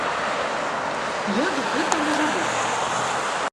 Як гэта можа быць?